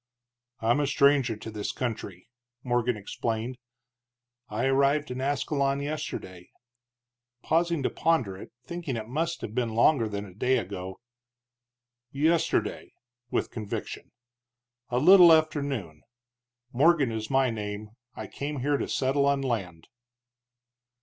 "I'm a stranger to this country," Morgan explained, "I arrived in Ascalon yesterday " pausing to ponder it, thinking it must have been longer than a day ago "yesterday" with conviction, "a little after noon. Morgan is my name. I came here to settle on land."